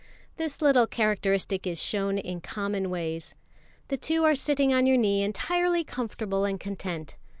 This little characteristic is shown in common ways. The two are sitting on your knee entirely comfortable and content.